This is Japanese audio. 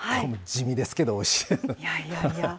地味ですけど、おいしい。